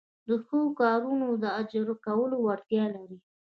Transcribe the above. د حیوي کارونو د اجراکولو وړتیا لري.